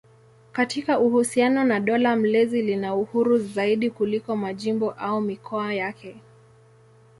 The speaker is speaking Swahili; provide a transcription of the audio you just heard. Katika uhusiano na dola mlezi lina uhuru zaidi kuliko majimbo au mikoa yake.